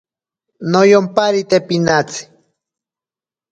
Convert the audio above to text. Noyomparite pinatsi.